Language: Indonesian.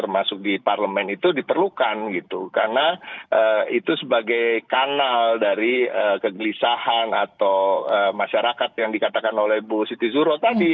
masuk di parlemen itu diperlukan gitu karena itu sebagai kanal dari kegelisahan atau masyarakat yang dikatakan oleh bu siti zuro tadi